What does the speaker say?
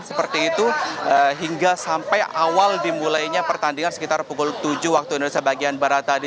seperti itu hingga sampai awal dimulainya pertandingan sekitar pukul tujuh waktu indonesia bagian barat tadi